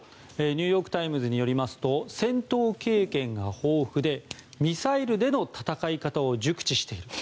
ニューヨーク・タイムズによりますと戦闘経験が豊富でミサイルでの戦い方を熟知していると。